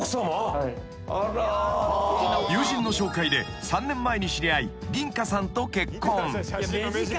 ［友人の紹介で３年前に知り合い凛香さんと結婚］